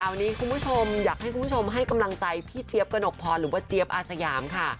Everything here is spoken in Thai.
อันนี้คุณผู้ชมอยากให้คุณผู้ชมให้กำลังใจพี่เจี๊ยบกระหนกพรหรือว่าเจี๊ยบอาสยามค่ะ